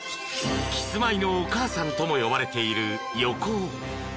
［キスマイのお母さんとも呼ばれている横尾］